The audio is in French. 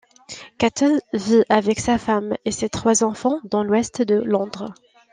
Kettle vit avec sa femme et ses trois enfants dans l'ouest de Londres.